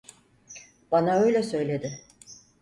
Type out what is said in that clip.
Bana öyle söyledi.